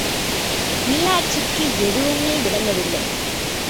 மீனாட்சிக்கு எதுவுமே விளங்கவில்லை.